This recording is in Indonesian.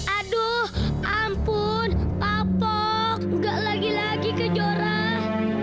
aduuuhh ampun papak nggak lagi lagi ke jorah